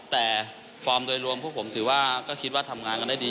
แต่ฟอร์มโดยรวมพวกผมถือว่าก็คิดว่าทำงานกันได้ดี